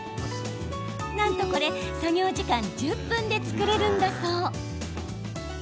なんと、これ作業時間１０分で作れるそう。